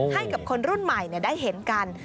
ให้กับคนรุ่นใหม่ได้เห็นกัน